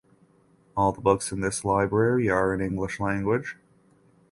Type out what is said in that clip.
All the books in this library are in English language.